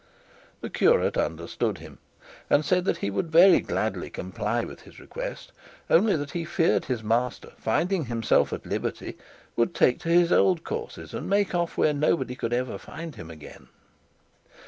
The curate understood him, and said he would very gladly comply with his request, only that he feared his master, finding himself at liberty, would take to his old courses and make off where nobody could ever find him again.